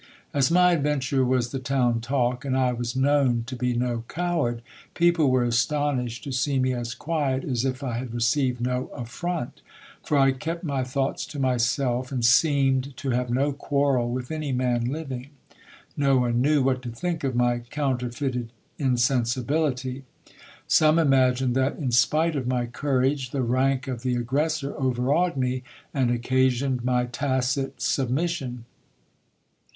As my adventure was the town talk, and I was known to be no coward, people were astonished to see me as quiet as if I had received no affront ; for I kept my thoughts to myself, and seemed to have no quarrel with any man living. No one knew what to think of my counterfeited insensibility. Some imagined that, in spite of my courage, the rank of the aggressor overawed me, and occasioned my tacit submission.